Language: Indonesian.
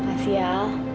terima kasih mbak